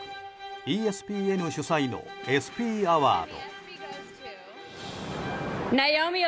ＥＳＰＮ主催のＥＳＰＹアワード。